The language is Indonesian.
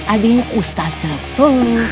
adiknya ustadz sefo